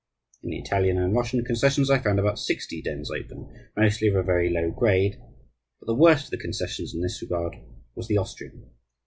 In the Italian and Russian concessions I found about sixty dens open, mostly of a very low grade. But the worst of the concessions, in this regard, was the Austrian.